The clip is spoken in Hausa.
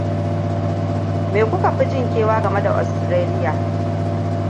Me kuka fi jin kewa game da Australia?